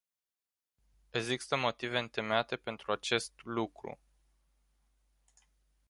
Există motive întemeiate pentru acest lucru.